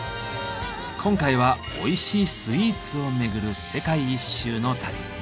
今回はおいしいスイーツを巡る世界一周の旅。